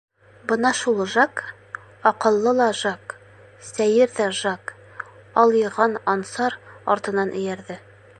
Бына шул Жак, аҡыллы ла Жак, сәйер ҙә Жак алйыған Ансар артынан эйәрҙе.